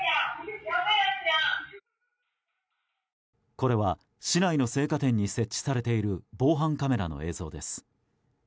これは、市内の製菓店に設置されている防犯カメラの映像です。